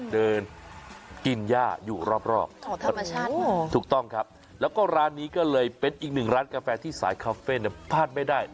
เดินกินย่าอยู่รอบชั้นถูกต้องครับแล้วก็ร้านนี้ก็เลยเป็นอีกหนึ่งร้านกาแฟที่สายคาเฟ่พลาดไม่ได้